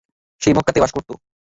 সে মক্কাতেই বাস করত।